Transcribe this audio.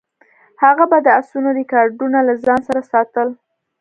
هغه به د اسونو ریکارډونه له ځان سره ساتل.